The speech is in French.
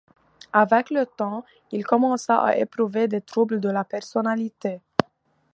Avec le temps, il commença à éprouver des troubles de la personnalité.